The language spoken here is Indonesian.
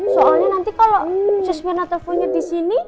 soalnya nanti kalo susmina teleponnya disini